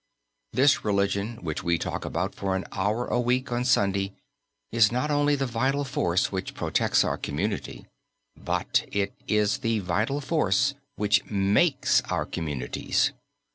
This religion which we talk about for an hour a week, on Sunday, is not only the vital force which protects our community, but it is the vital force which makes our communities.